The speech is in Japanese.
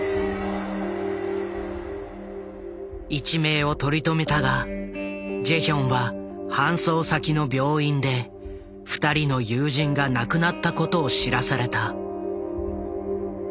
一命を取り留めたがジェヒョンは搬送先の病院で２人の友人が亡くなったことを知らされた。